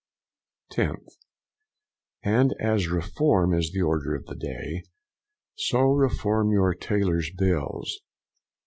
10th. And as Reform is the order of the day, so Reform your tailors' bills.